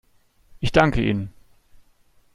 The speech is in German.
Ich danke Ihnen.